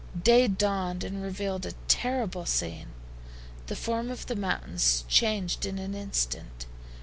Day dawned and revealed a terrible scene. The form of the mountains changed in an instant.